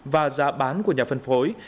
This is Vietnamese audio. và giá bán của nhà phân phối